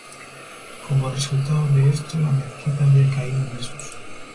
Como resultado de esto, la mezquita había caído en desuso.